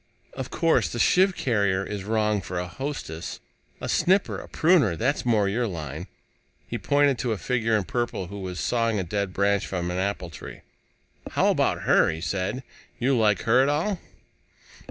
Of course the sheave carrier is wrong for a hostess! A snipper, a pruner that's more your line." He pointed to a figure in purple who was sawing a dead branch from an apple tree. "How about her?" he said. "You like her at all?"